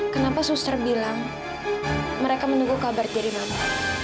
kenapa suster bilang mereka menunggu kabar dari mama